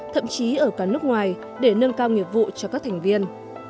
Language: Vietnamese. thậm chí ở cả nước ngoài để nâng cao nghiệp vụ cho các thành viên